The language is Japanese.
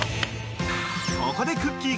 ［ここでくっきー！